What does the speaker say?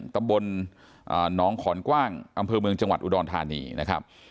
ตำบลหนองขอนกว้างอำเภอเมืองจังหวัดอุดรธานีนะครับ